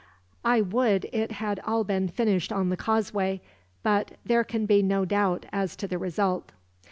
I would it had all been finished on the causeway, but there can be no doubt as to the result.